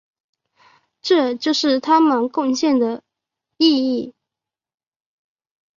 这就是他们的贡献和意义。